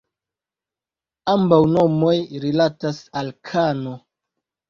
Ambaŭ nomoj rilatas al "kano".